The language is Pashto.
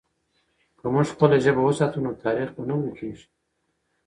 که موږ خپله ژبه وساتو، نو تاریخ به نه ورکېږي.